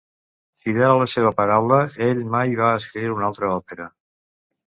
Fidel a la seva paraula, ell mai va escriure una altra òpera.